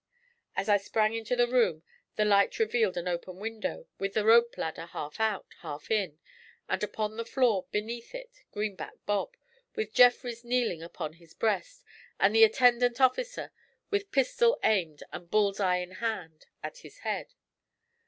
As I sprang into the room the light revealed an open window, with the rope ladder half out, half in, and upon the floor beneath it Greenback Bob, with Jeffrys kneeling upon his breast, and the attendant officer, with pistol aimed and bull's eye in hand, at his head.